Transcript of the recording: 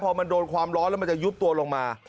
พอมันโดนความร้อนแล้วมันจะยุบตัวลงมา